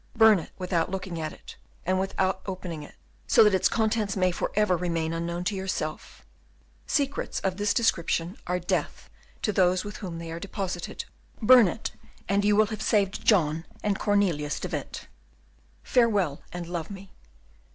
Burn it without looking at it, and without opening it, so that its contents may for ever remain unknown to yourself. Secrets of this description are death to those with whom they are deposited. Burn it, and you will have saved John and Cornelius de Witt. "Farewell, and love me.